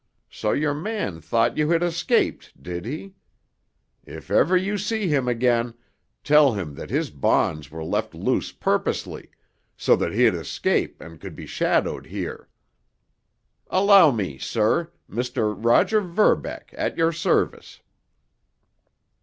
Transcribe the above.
So your man thought he had escaped, did he? If ever you see him again, tell him that his bonds were left loose purposely, so that he'd escape and could be shadowed here. Allow me, sir—Mr. Roger Verbeck, at your service!"